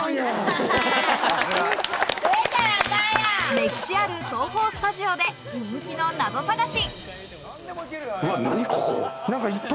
歴史ある東宝スタジオで人気のナゾ探し。